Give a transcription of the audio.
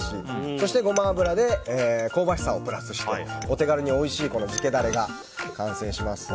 そしてゴマ油で香ばしさをプラスしてお手軽においしい漬けダレが完成します。